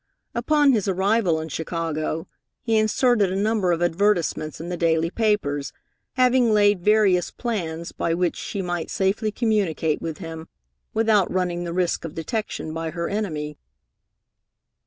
Upon his arrival in Chicago, he inserted a number of advertisements in the daily papers, having laid various plans by which she might safely communicate with him without running the risk of detection by her enemy.